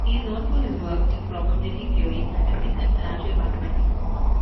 He is known for his work in probability theory, statistics and financial mathematics.